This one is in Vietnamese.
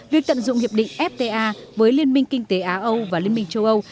việc tận dụng hiệp định fta với liên minh kinh tế á âu và liên minh châu âu